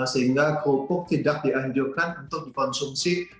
sehingga kerupuk tidak dianjukkan untuk dikonsumsi tiap hari